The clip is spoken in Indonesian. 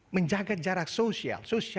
menjaga jarak sosial